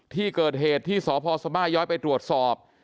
ที่เกิดเหตุที่สพสมาย้อยไปตรวจสอบ